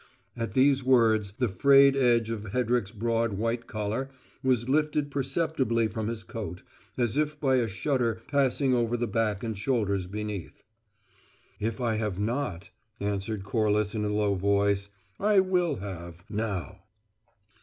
At these words the frayed edge of Hedrick's broad white collar was lifted perceptibly from his coat, as if by a shudder passing over the back and shoulders beneath. "If I have not," answered Corliss in a low voice, "I will have now!"